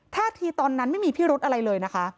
ท่าทีตอนนั้นไม่มีพิรุธอะไรเลยนะคะ